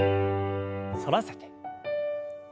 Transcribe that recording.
反らせて。